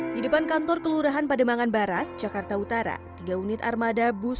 hai di depan kantor kelurahan pademangan barat jakarta utara tiga unit armada bus